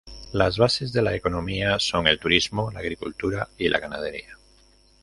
Las bases de la economía son el turismo, la agricultura y la ganadería.